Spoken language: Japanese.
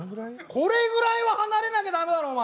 これぐらいは離れなきゃ駄目だろお前。